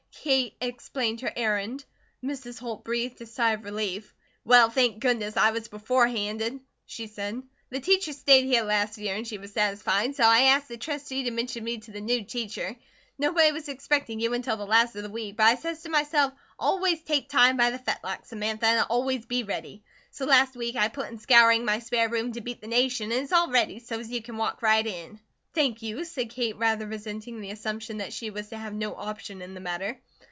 Kate explained her errand. Mrs. Holt breathed a sigh of relief. "Well, thank goodness I was before handed," she said. "The teacher stayed here last year and she was satisfied, so I ast the Trustee to mention me to the new teacher. Nobody was expecting you until the last of the week, but I says to myself, 'always take time by the fetlock, Samantha, always be ready'; so last week I put in scouring my spare room to beat the nation, and it's all ready so's you can walk right in." "Thank you," said Kate, rather resenting the assumption that she was to have no option in the matter.